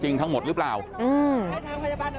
เพื่อนบ้านเจ้าหน้าที่อำรวจกู้ภัย